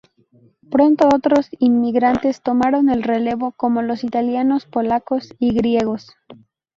Pronto otros inmigrantes tomaron el relevo, como los italianos, polacos y griegos.